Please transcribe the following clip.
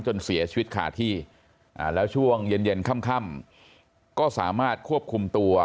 จนเสียชีวิตคาที่อ่าแล้วช่วงเย็นข้ำก็สามารถควบคุมตัว